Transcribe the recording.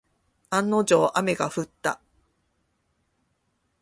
案の定、雨が降った。